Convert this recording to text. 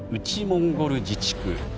モンゴル自治区。